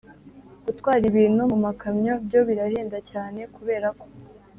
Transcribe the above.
gutwara ibintu mu makamyo byo birahenda cyane kubera ko